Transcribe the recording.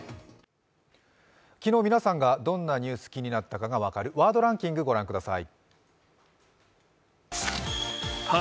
昨日、皆さんがどんなニュース気になったか分かるワードランキング御覧ください。